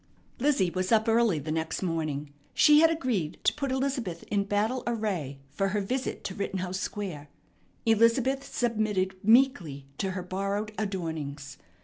Lizzie was up early the next morning. She had agreed to put Elizabeth in battle array for her visit to Rittenhouse Square. Elizabeth submitted meekly to her borrowed adornings.